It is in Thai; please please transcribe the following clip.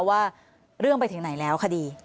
ว่าเรื่องไปถึงไหนแล้วคดี